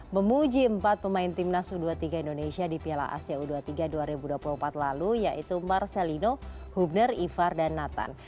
memuji empat pemain timnas u dua puluh tiga indonesia di piala asia u dua puluh tiga dua ribu dua puluh empat lalu yaitu marcelino hubner ivar dan nathan